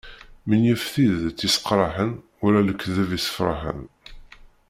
Menyif tidet isseqraḥen wala lekteb issefraḥen.